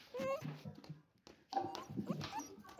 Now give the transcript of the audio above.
案件最终被和解了。